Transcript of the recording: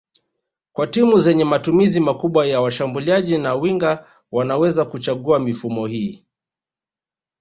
Kwa timu zenye matumizi makubwa ya washambuliaji na winga wanaweza kuchagua mifumo hii